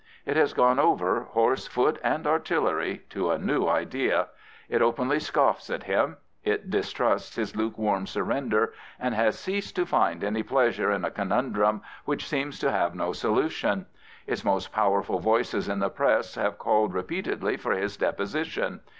It has gone over, horse, foot, and artillery, to a new idea. It openly scoffs at him. It distrusts his lukewarm surrender, and has ceased to find any pleasur^in a conundrum which seems to have no solution. Its most^owerful voices in the Press have called re peatedly for his deposition.